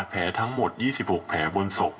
แผลทั้งหมด๒๖แผลบนศพ